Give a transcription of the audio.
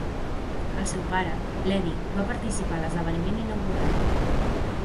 El seu pare, l'Eddy, va participar a l'esdeveniment inaugural.